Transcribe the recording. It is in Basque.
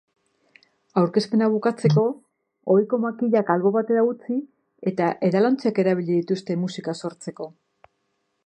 Aurkezpena bukatzeko ohiko makilak albo batera utzi eta edalontziak erabili dituzte musika sortzeko.